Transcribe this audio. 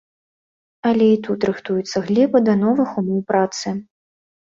Але і тут рыхтуецца глеба да новых умоў працы.